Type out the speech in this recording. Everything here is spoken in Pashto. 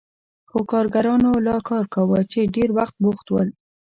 خو کارګرانو لا کار کاوه چې ډېر بوخت ول.